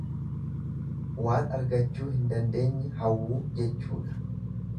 Waan argachuu hin dandeenye hawwuu jechuudha.